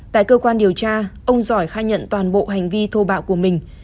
tại cơ quan điều tra ông giỏi khai nhận toàn bộ hành vi thô bạo của mình